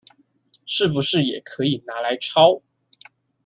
是不是也可以拿來抄